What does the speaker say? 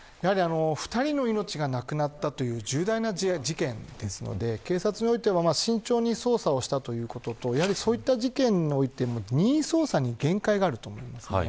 ２人の命がなくなったという重大な事件ですので警察においても慎重に捜査したということとそうした事件においても任意捜査に限界があるということです。